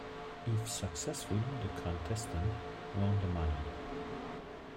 If successful, the contestant won the money.